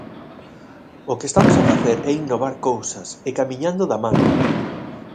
O que estamos a facer é innovar cousas e camiñando da man.